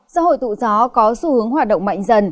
do hội tụ gió có xu hướng hoạt động mạnh dần